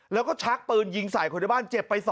แล้วก็ชักปืนยิงใส่คนในบ้านเจ็บไป๒